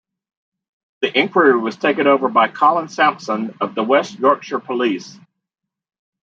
The inquiry was taken over by Colin Sampson of the West Yorkshire Police.